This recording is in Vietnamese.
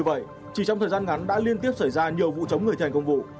như vậy chỉ trong thời gian ngắn đã liên tiếp xảy ra nhiều vụ chống người thi hành công vụ